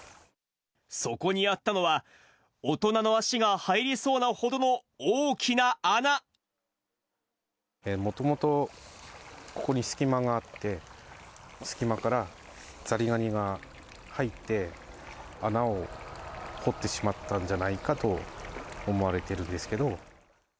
そこにあったのは、大人の足もともとここに隙間があって、隙間からザリガニが入って、穴を掘ってしまったんじゃないかと思われてるんですけど。